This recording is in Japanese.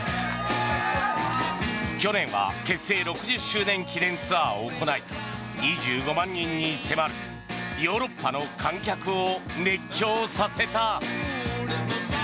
去年は結成６０周年記念ツアーを行い２５万人に迫るヨーロッパの観客を熱狂させた。